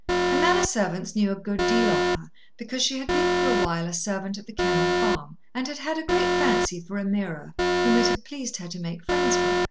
The manor servants knew a good deal of her, because she had been for a while a servant at The Kennel Farm, and had had a great fancy for Ameerah, whom it had pleased her to make friends with.